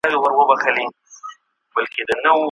د خپل بابا پر مېنه چلوي د مرګ باړونه